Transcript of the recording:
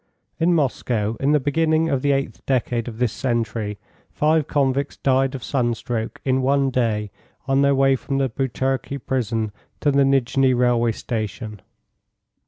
[In Moscow, in the beginning of the eighth decade of this century, five convicts died of sunstroke in one day on their way from the Boutyrki prison to the Nijni railway station.